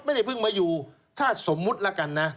ไม่ได้เพิ่งมาอยู่ถ้าสมมุติแล้วกันนะ